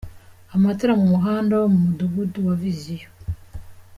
Amatara mu mihanda yo mu mudugudu wa Vision.